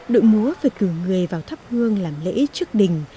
đội múa phải cử người vào thắp hương làm lễ trước đình